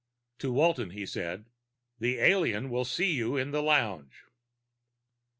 To Walton he said, "The alien will see you in the lounge."